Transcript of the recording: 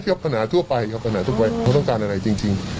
ครับปัญหาทั่วไปครับปัญหาทั่วไปเขาต้องการอะไรจริง